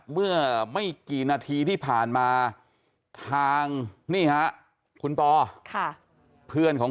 เมื่อไม่กี่นาทีที่ผ่านมาทางนี่ฮะคุณปอเพื่อนของ